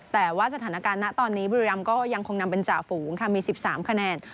แต่ว่าสถานการณ์ณตอนนี้บุรีรำก็ยังคงนำเป็นจ่าฝูงค่ะมี๑๓คะแนน